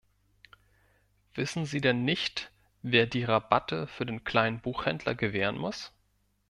Wissen Sie denn nicht, wer die Rabatte für den kleinen Buchhändler gewähren muss?